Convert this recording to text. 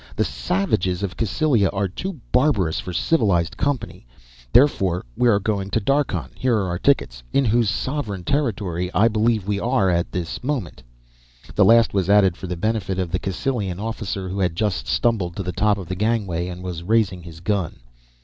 The savages of Cassylia are too barbarous for civilized company. Therefore we are going to Darkhan here are our tickets in whose sovereign territory I believe we are at this moment." This last was added for the benefit of the Cassylian officer who had just stumbled to the top of the gangway and was raising his gun.